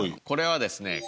これはですね